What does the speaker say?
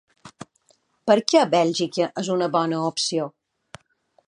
Per què Bèlgica és una bona opció?